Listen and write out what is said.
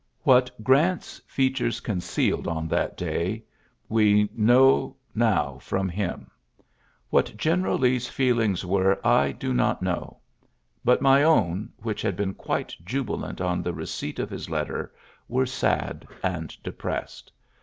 '^ What Grant's features concealed on that day we know now from him: ^^ What Gteneral Lee's feelings were I do not know. But my own, which had been quite jubilant on the receipt of his letter, were sad and depressed.